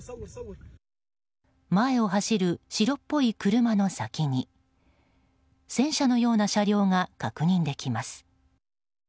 前を走る白っぽい車の先に戦車のような車両が確認できます。